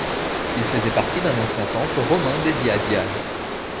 Ils faisaient partie d'un ancien temple romain dédié à Diane.